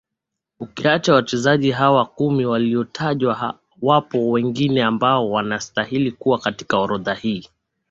Ukiacha wachezaji hawa kumi waliotajwa wapo wengine ambao wanastahili kuwa katika orodha hii